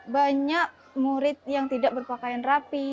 banyak murid yang tidak berpakaian rapi